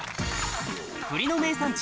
栗の名産地